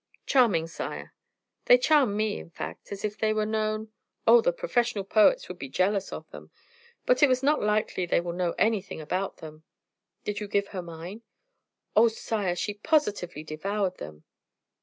"Charming, sire." "They charm me, in fact, and if they were known " "Oh! the professional poets would be jealous of them; but it is not likely they will know anything about them." "Did you give her mine?" "Oh! sire, she positively devoured them."